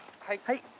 はい。